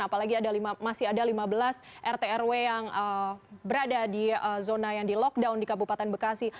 apalagi masih ada lima belas rt rw yang berada di zona yang di lockdown di kabupaten bekasi